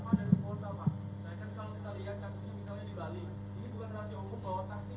perlindungannya harus beri apa dari pusat pak